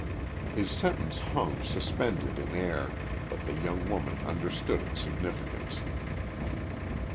His sentence hung suspended in air, but the young woman understood its significance.